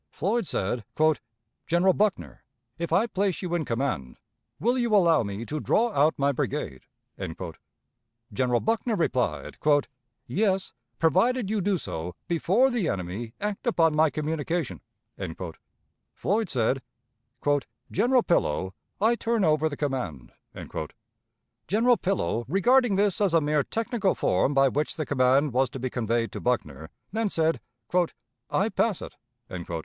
Floyd said, "General Buckner, if I place you in command, will you allow me to draw out my brigade?" General Buckner replied, "Yes, provided you do so before the enemy act upon my communication." Floyd said, "General Pillow, I turn over the command.". General Pillow, regarding this as a mere technical form by which the command was to be conveyed to Buckner, then said, "I pass it."